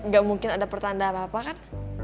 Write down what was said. gak mungkin ada pertanda apa apa kan